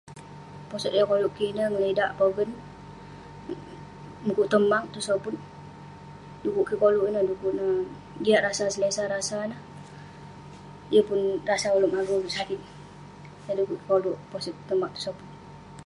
Posot yah koluk kik ineh, ngelidak, pogen, mukuk tong maq, tong soput. Dukuk kik koluk ineh dukuk ne jiak rasa, selesa rasa neh. Yeng pun rasa uleuk mage uleuk sakit. Yah dukuk kik koluk posot tong maq tong soput.